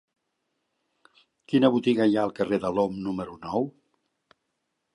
Quina botiga hi ha al carrer de l'Om número nou?